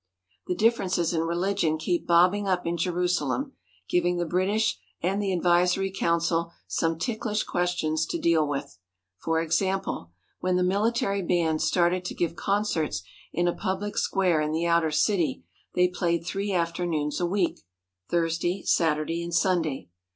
The differences in religion keep bobbing up in Jeru salem, giving the British and the advisory council some ticklish questions to deal with. For example, when the military bands started to give concerts in a public square in the outer city, they played three afternoons a week — Thursday, Saturday, and Sunday.